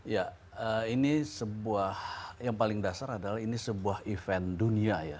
ya ini sebuah yang paling dasar adalah ini sebuah event dunia ya